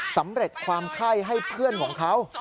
สำเร็จความไข้ให้เพื่อนของเขา